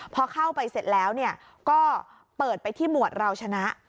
พอเข้าไปเสร็จแล้วก็เปิดไปที่หมวดเราชนะ